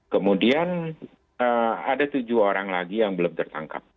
kemudian ada tujuh orang lagi yang belum tertangkap